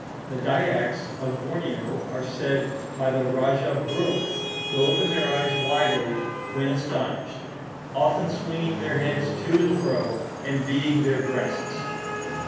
The Dyaks of Borneo are said by the Rajah Brooke to open their eyes widely, when astonished, often swinging their heads to and fro, and beating their breasts.